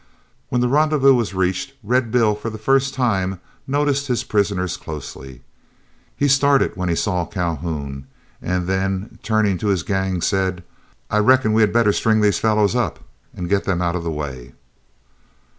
When the rendezvous was reached Red Bill for the first time noticed his prisoners closely. He started when he saw Calhoun, and then turning to his gang, said, "I reckon we had better string these fellows up, and get them out of the way."